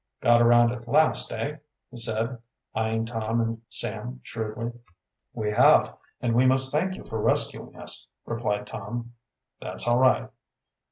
"Got around at last, eh?" he said, eying Tom and Sam shrewdly. "We have, and we must thank you for rescuing us," replied Tom. "That's all right."